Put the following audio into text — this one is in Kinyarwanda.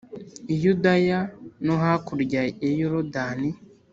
I yudaya no hakurya ya yorodani